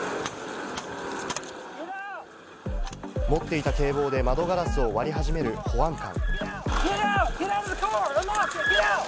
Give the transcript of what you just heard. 持っていた警棒で窓ガラスを割り始める保安官。